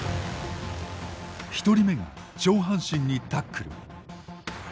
１人目が上半身にタックル。